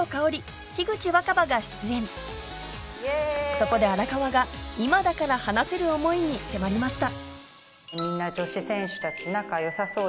そこで荒川が今だから話せる思いに迫りました